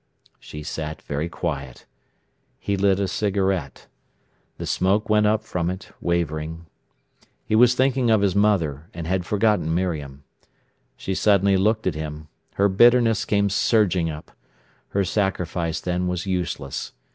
She sat very quiet. He lit a cigarette. The smoke went up from it, wavering. He was thinking of his mother, and had forgotten Miriam. She suddenly looked at him. Her bitterness came surging up. Her sacrifice, then, was useless.